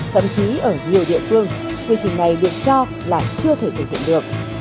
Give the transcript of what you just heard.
thậm chí ở nhiều địa phương quy trình này được cho là chưa thể thực hiện được